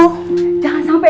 kemaren katanya sih begitu